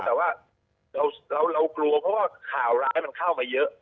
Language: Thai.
แต่ว่าเรากลัวเพราะว่าข่าวร้ายมันเข้ามาเยอะ